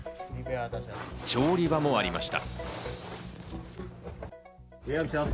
調理場もありました。